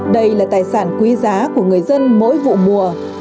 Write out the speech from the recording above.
đây là tài sản quý giá của người dân mỗi vụ mùa